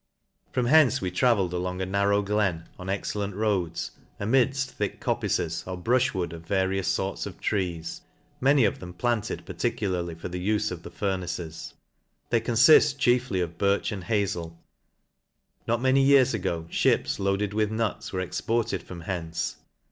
" From hence we travelled along a narrow glen, on excellent roads, amidft thick coppices,, or brufli wood of various forts of trees, many of. them planted; particularly for the ufe of the furnaces. They con fill chiefly of birch and hazel : not many years ago, mips loaded with nuts were exported from hence.